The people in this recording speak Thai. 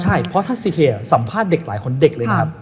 ใช่เพราะถ้าซีเฮียสัมภาษณ์เด็กหลายคนเด็กเลยนะครับ